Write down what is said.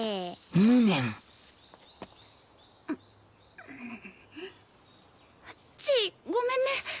無念ちぃごめんね。